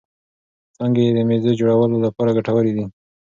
څانګې یې د مېزو جوړولو لپاره ګټورې دي.